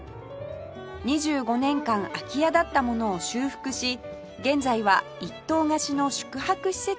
２５年間空き家だったものを修復し現在は一棟貸しの宿泊施設に